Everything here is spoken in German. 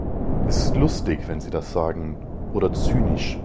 Es ist lustig, wenn Sie das sagen, oder zynisch.